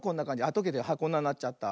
とけてこんななっちゃった。